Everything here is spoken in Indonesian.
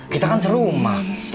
kita kan serum mak